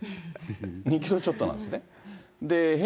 ２キロちょっとなんですって。